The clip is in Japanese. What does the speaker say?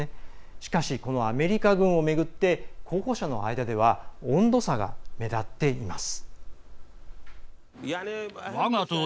しかしこのアメリカ軍をめぐって候補者の間では温度差が目立っています。